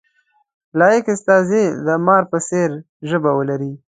لایق استازی د مار په څېر ژبه ولري.